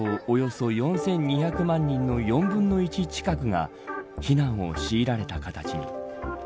およそ４２００万人の４分の１近くが避難を強いられた形。